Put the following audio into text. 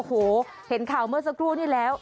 โถหวังสักครู่นี่แล้ว